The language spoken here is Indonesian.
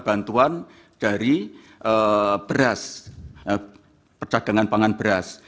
bantuan dari beras perdagangan pangan beras